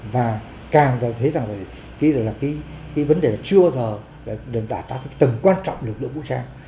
và càng cho thấy rằng là cái vấn đề là chưa bao giờ đã đạt ra tầng quan trọng lực lượng vũ trang